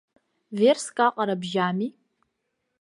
Верск аҟара бжьами?